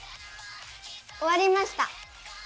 おわりました。